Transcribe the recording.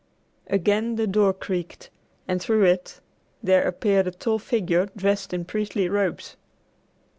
Again the door creaked, and through it there appeared a tall figure dressed in priestly robes.